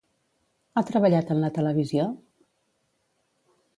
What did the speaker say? Ha treballat en la televisió?